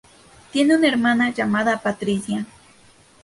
Tiene una hermana llamada Patricia.